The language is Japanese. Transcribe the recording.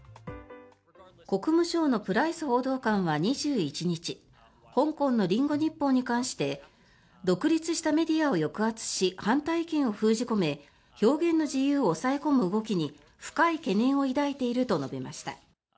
国務省のプライス報道官は２１日香港のリンゴ日報に関して独立したメディアを抑圧し反対意見を封じ込め表現の自由を抑え込む動きに深い懸念を抱いていると述べました。